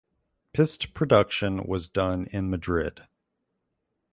Pst production was done in Madrid.